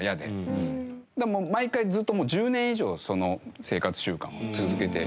毎回ずっともう１０年以上その生活習慣を続けて。